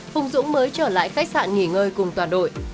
hùng dũng mới trở lại khách sạn nghỉ ngơi cùng toàn đội